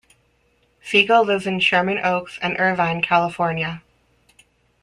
Siegel lives in Sherman Oaks and Irvine, California.